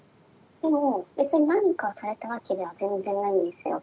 でも別に何かされたわけでは全然ないんですよ。